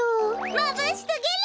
まぶしすぎる！